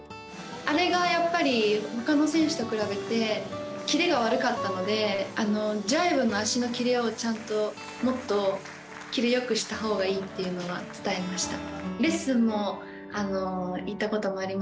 あれがやっぱり他の選手と比べてキレが悪かったのでジャイブの足のキレをもっとキレよくした方がいいっていうのは伝えました